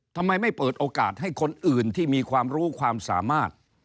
ทำไมไม่เปิดโอกาสให้คนอื่นที่มีความรู้ความสามารถ